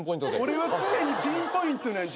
俺は常にピンポイントなんじゃ。